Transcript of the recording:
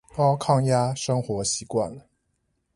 高抗壓生活習慣